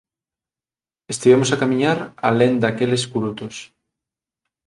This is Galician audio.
Estivemos a camiñar alén daqueles curutos